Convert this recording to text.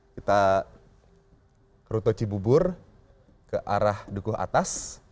kita rute cibubur ke arah dukuh atas